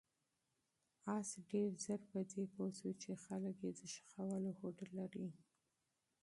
آس ډېر ژر په دې پوه شو چې خلک یې د ښخولو هوډ لري.